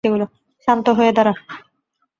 শান্ত হয়ে দাঁড়া।